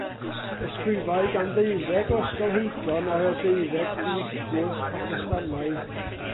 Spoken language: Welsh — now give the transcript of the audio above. Ysgrifau gan ddeuddeg o ysgolheigion ar y deuddeg diwygiwr Protestannaidd.